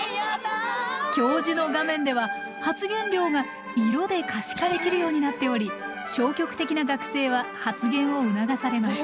教授の画面では発言量が色で可視化できるようになっており消極的な学生は発言を促されます。